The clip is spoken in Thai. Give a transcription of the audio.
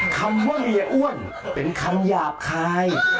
คำว่าเฮียอ้วนเป็นคำหยาบคาย